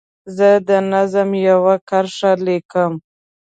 زه د نظم یوه کرښه لیکم.